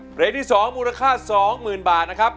เพลงที่๒มูลค่า๒๐๐๐บาทนะครับ